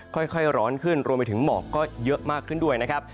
ค่อยร้อนขึ้นรวมไปถึงหมอกก็เยอะมากขึ้นด้วยนะครับ